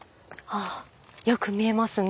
ああよく見えますねぇ。